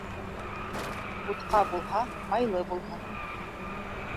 Бутҡа булһа, майлы булһын